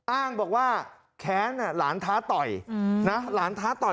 อ้างบอกว่าแค้นหลานท้าต่อยนะหลานท้าต่อย